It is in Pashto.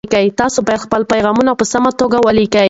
تاسي باید خپل پیغامونه په سمه توګه ولیکئ.